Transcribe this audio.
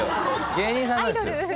芸人さんなんです。